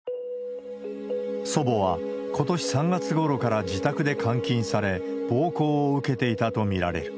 祖母はことし３月ごろから自宅で監禁され、暴行を受けていたと見られる。